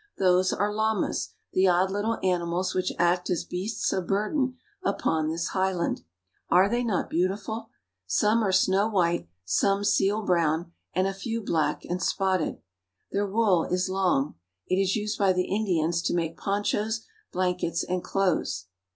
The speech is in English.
Those are llamas, the odd little animals which act as beasts of burden upon this highland. Are they not beautiful? Some are snow white, some seal brown, and a few black and spotted. Their wool is long. It is used by the Indians to make ponchos, blankets, and clothes.